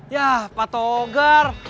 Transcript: yah pak togar